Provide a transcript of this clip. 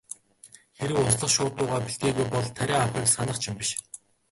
Хэрэв услах шуудуугаа бэлтгээгүй бол тариа авахыг санах ч юм биш.